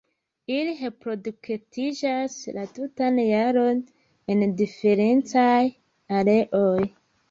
Ili reproduktiĝas la tutan jaron en diferencaj areoj.